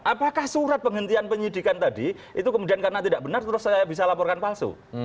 apakah surat penghentian penyidikan tadi itu kemudian karena tidak benar terus saya bisa laporkan palsu